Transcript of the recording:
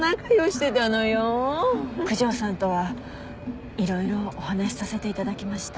九条さんとは色々お話させていただきました。